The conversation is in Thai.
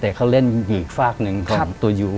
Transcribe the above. แต่เขาเล่นอีกฝากหนึ่งของตัวยู